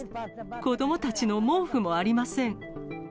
子どもたちの毛布もありません。